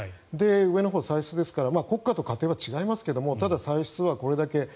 上のほう、歳出ですから国家と家庭は違いますがただ、歳出はこれだけ。